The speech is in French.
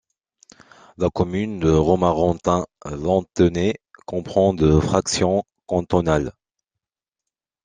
La commune de Romorantin-Lanthenay comprend deux fractions cantonales.